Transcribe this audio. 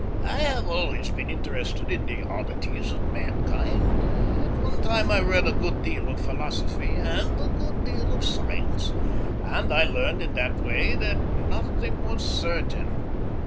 "I have always been interested in the oddities of mankind. At one time I read a good deal of philosophy and a good deal of science, and I learned in that way that nothing was certain.